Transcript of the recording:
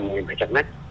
mười mấy trăm mét